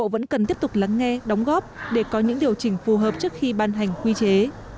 vẫn cần tiếp tục lắng nghe đóng góp để có những điều chỉnh phù hợp trước khi ban hành quy chế